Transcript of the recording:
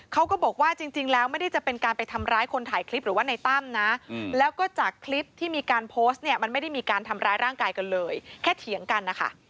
เขาก็บอกว่าจริงแล้วไม่ได้จะเป็นการไปทำร้ายคนถ่ายคลิปหรือว่าในตั้มนะแล้วก็จากคลิปที่มีการโพสต์เนี่ยมันไม่ได้มีการทำร้ายร่างกายกันเลยแค่เถียงกันนะคะ